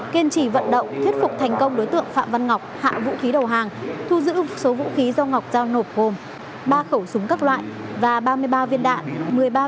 kiên trì vận động thuyết phục thành công đối tượng phạm văn ngọc hạ vũ khí đầu hàng thu giữ số vũ khí do ngọc giao nộp gồm ba khẩu súng các loại và ba mươi ba viên đạn